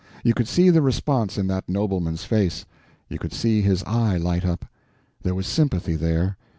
You could see the response in that nobleman's face; you could see his eye light up; there was sympathy there.